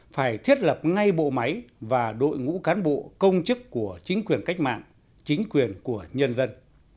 phải thiết lập ngay bộ máy và đội ngũ cán bộ công chức của chính quyền cách mạng chính quyền của nhân dân